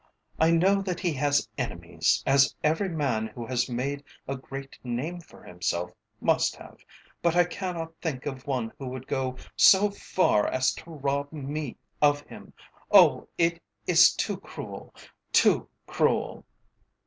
I know that he has enemies, as every man who has made a great name for himself must have, but I cannot think of one who would go so far as to rob me of him. Oh! it is too cruel! too cruel!"